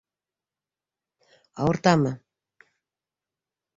Ауыртамы?